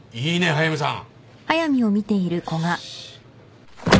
速見さん。